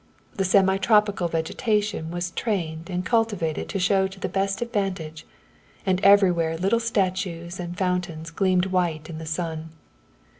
The semi tropical vegetation was trained and cultivated to show to the best advantage and everywhere little statues and fountains gleamed white in the sun.